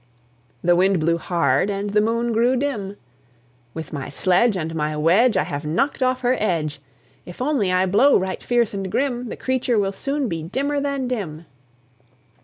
The Wind blew hard, and the Moon grew dim. "With my sledge, And my wedge, I have knocked off her edge! If only I blow right fierce and grim, The creature will soon be dimmer than dim."